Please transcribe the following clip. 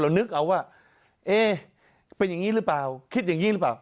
นึกเอาว่าเอ๊เป็นอย่างนี้หรือเปล่าคิดอย่างนี้หรือเปล่า